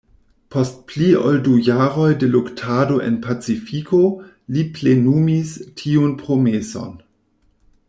Post pli ol du jaroj de luktado en Pacifiko, li plenumis tiun promeson.